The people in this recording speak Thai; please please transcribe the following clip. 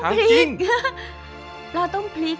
อ้าปลาต้มพริก